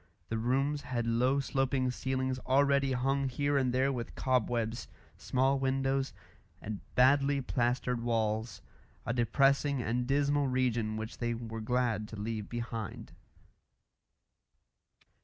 The rooms had low sloping ceilings already hung here and there with cobwebs, small windows, and badly plastered walls a depressing and dismal region which they were glad to leave behind.